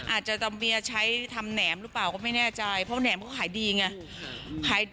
อาจจะทำเบียร์ใช้ทำแหนมหรือเปล่าก็ไม่แน่ใจเพราะแหนมเขาก็ขายดีไง